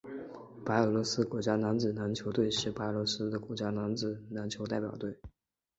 白俄罗斯国家男子篮球队是白俄罗斯的国家男子篮球代表队。